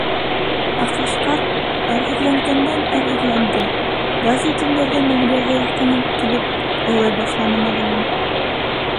Ә Ҡашҡар әрһеҙләнгәндән әрһеҙләнде, бәғзе төндәрҙә мәмерйәгә яҡын уҡ килеп олой башланы мәлғүн.